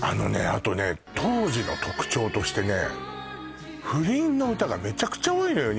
あとね当時の特徴としてね不倫の歌がめちゃくちゃ多いのよ